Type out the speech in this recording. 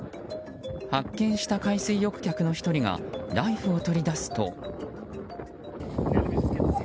発見した海水浴客の１人がナイフを取り出すと。